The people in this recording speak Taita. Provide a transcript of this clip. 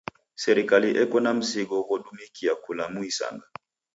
Serikali eko na msigo ghodumikia kula muisanga.